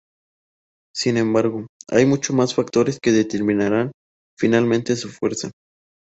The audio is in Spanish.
Sin embargo, hay muchos más factores que determinarán finalmente su fuerza.